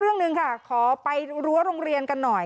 เรื่องหนึ่งค่ะขอไปรั้วโรงเรียนกันหน่อย